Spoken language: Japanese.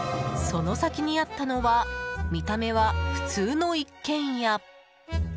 その先にあったのは見た目は普通の一軒家。